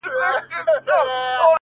داسي په ماښام سترگي راواړوه”